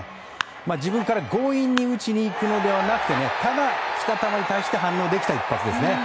自分から強引に打ちにいくのではなくてただ、きた球に対して反応できた一発です。